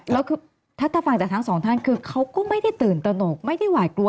แล้วคือถ้าฟังจากทั้งสองท่านคือเขาก็ไม่ได้ตื่นตนกไม่ได้หวาดกลัว